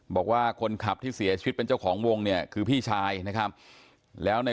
บอกว่าคนขับที่เสียชีวิตเป็นเจ้าของวงเนี่ยคือพี่ชายนะครับแล้วใน